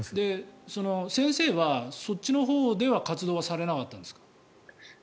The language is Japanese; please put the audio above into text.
先生はそっちのほうでは活動はされなかったんですか？